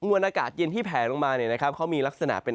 อากาศเย็นที่แผลลงมาเนี่ยนะครับเขามีลักษณะเป็น